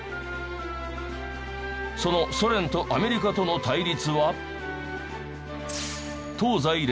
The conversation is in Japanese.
そのソ連とアメリカとの対立は。